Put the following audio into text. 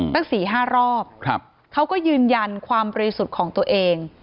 ตั้ง๔๕รอบเขาก็ยืนยันความบริสุทธิ์ของตัวเอง